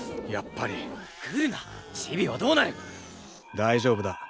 大丈夫だ。